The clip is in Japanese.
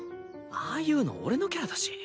ああいうの俺のキャラだし。